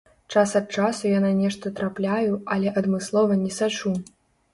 Час ад часу я на нешта трапляю, але адмыслова не сачу!